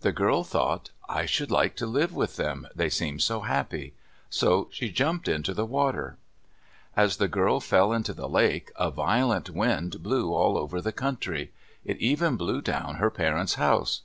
The girl thought, "I should like to live with them, they seem so happy." So she jumped into the water. As the girl fell into the lake, a violent wind blew all over the country. It even blew down her parents' house.